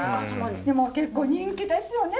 でも結構人気ですよね。